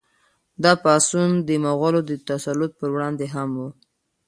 دا پاڅون د مغولو د تسلط پر وړاندې هم و.